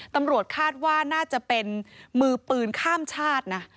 ตำรวจคาดว่าน่าจะเป็นมือปืนข้ามชาตินะ